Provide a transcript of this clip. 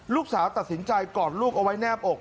ลูกสาวตัดสินใจกอดลูกเอาไว้แนบอก